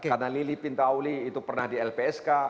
karena lili pintauli itu pernah di lpsk